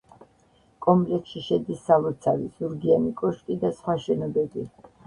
კომპლექსში შედის სალოცავი, ზურგიანი კოშკი და სხვა შენობები.